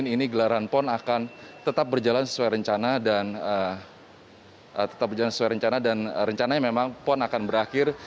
ini gelaran pon akan tetap berjalan sesuai rencana dan rencananya memang pon akan berakhir